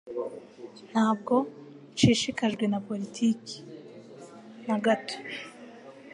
Ntabwo nshishikajwe na politiki na gato